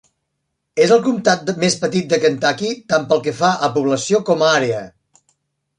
És el comtat més petit de Kentucky, tant pel que fa a població com a àrea.